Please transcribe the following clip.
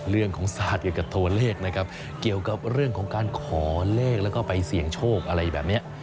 เรื่องของศาสตร์เกี่ยวกับตัวเลขนะครับเกี่ยวกับเรื่องของการขอเลขแล้วก็ไปเสี่ยงโชคอะไรแบบนี้